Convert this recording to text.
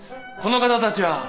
この方たちは。